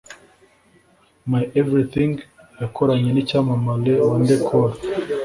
My Everything’ yakoranye n’icyamamare Wande Coal